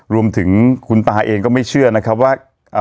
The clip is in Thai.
รวมถึงคุณตาเองก็ไม่เชื่อนะครับว่า